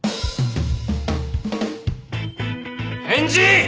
返事！